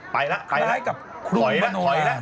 ไปละไปละคล้ายกับครูนอลาร์